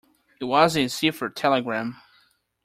It wasn't a cipher telegram.